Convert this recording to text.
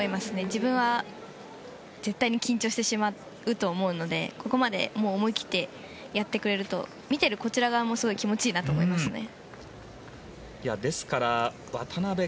自分は絶対に緊張してしまうと思うのでここまで思い切ってやってくれると見ているこちら側も、すごく気持ちいいなと思いますね。